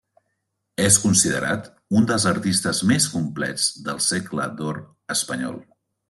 És considerat un dels artistes més complets del Segle d'Or espanyol.